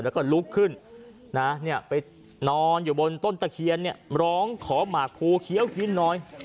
แล้วก็ลุกขึ้นนะไปนอนอยู่บนต้นตะเคียนเนี่ยร้องขอหมากภูเคี้ยวกินหน่อย